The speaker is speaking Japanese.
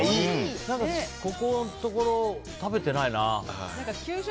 ここのところ、食べてないな。